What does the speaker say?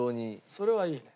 それはいいね。